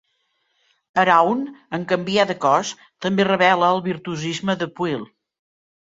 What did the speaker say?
Arawn, en canviar de cos, també revela el virtuosisme de Pwyll.